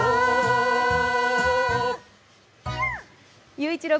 ゆういちろう